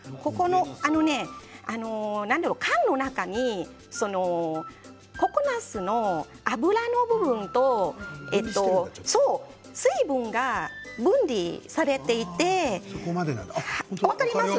あのね、何だろう、缶の中にココナツの油の部分と、層、水分が分離されていて分かります？